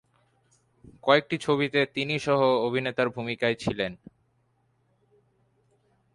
কয়েকটি ছবিতে তিনি সহ-অভিনেতার ভুমিকায় ছিলেন।